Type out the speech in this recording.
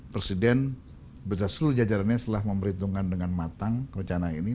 presiden seluruh jajarannya setelah memerhitungkan dengan matang rencana ini